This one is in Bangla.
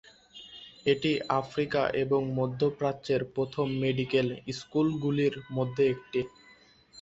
এটি আফ্রিকা ও মধ্য প্রাচ্যের প্রথম মেডিকেল স্কুলগুলির মধ্যে একটি।